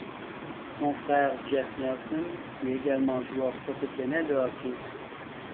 Son frère Jeff Nelson fut également joueur professionnel de hockey.